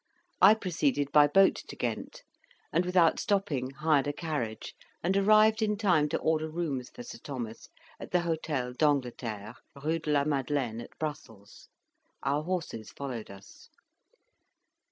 I proceeded by boat to Ghent, and, without stopping, hired a carriage, and arrived in time to order rooms for Sir Thomas at the Hotel d'Angleterre, Rue de la Madeleine, at Brussels: our horses followed us.